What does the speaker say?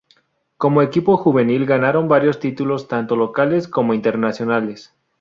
Como equipo juvenil ganaron varios títulos tanto locales como internacionales.